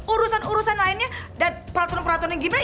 urusan urusan lainnya dan peraturan peraturan yang gimana